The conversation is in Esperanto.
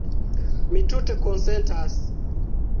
Mi tute konsentas.